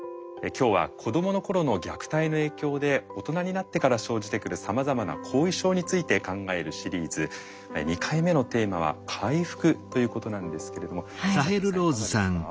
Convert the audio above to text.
今日は子どもの頃の虐待の影響で大人になってから生じてくるさまざまな後遺症について考えるシリーズ２回目のテーマは回復ということなんですけれどもサヘルさんいかがですか？